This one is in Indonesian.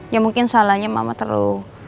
ya mungkin soalnya mama terlalu